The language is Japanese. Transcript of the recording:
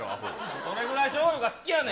それぐらいしょうゆが好きやねん。